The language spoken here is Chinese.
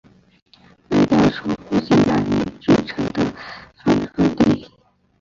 卖掉从父亲那里继承的三分地